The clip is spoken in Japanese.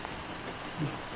うん。